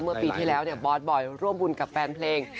เมื่อปีที่แล้วเนี่ยบอสบอยร่วมบุญกับแฟนเพลง